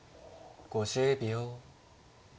５０秒。